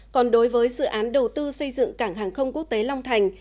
còn đối với dự án đầu tư xây dựng cảng hàng không quốc tế long thành